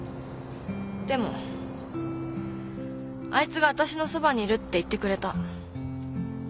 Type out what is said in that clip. でもあいつがわたしのそばにいるって言ってくれた。